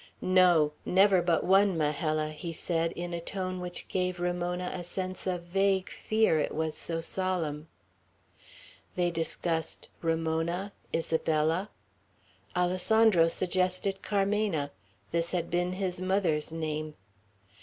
"No! Never but one Majella," he said, in a tone which gave Ramona a sense of vague fear, it was so solemn. They discussed "Ramona," "Isabella." Alessandro suggested Carmena. This had been his mother's name.